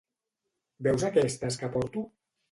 - Veus aquestes que porto?